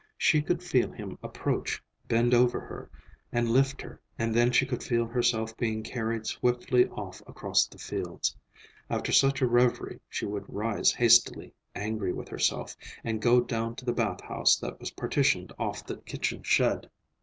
She could feel him approach, bend over her and lift her, and then she could feel herself being carried swiftly off across the fields. After such a reverie she would rise hastily, angry with herself, and go down to the bath house that was partitioned off the kitchen shed.